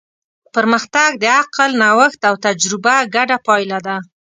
پرمختګ د عقل، نوښت او تجربه ګډه پایله ده.